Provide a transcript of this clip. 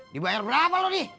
dibayar berapa lo di